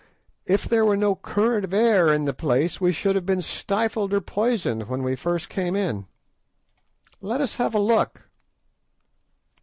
If there were no current of air in the place we should have been stifled or poisoned when we first came in. Let us have a look."